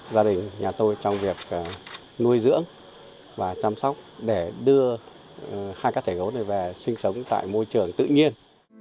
gia đình nhà tôi trong việc nuôi dưỡng và chăm sóc để đưa hai cá thể gấu này về sinh sống tại môi trường tự nhiên